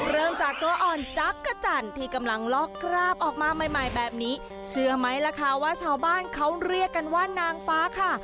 เริ่มจากตัวอ่อนจักรจันทร์ที่กำลังลอกคราบออกมาใหม่ใหม่แบบนี้เชื่อไหมล่ะคะว่าชาวบ้านเขาเรียกกันว่านางฟ้าค่ะ